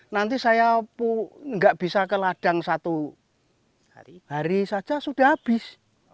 nanti saya nggak bisa ke ladang satu hari saja sudah habis